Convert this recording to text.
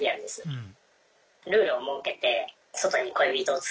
うん。